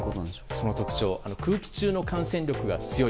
その特徴空気中の感染力が強い。